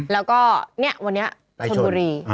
แล้วก็เนี่ยวันนี้ชนบุรี